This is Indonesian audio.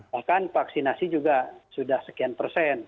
bahkan vaksinasi juga sudah sekian persen